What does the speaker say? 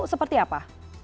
atau seperti apa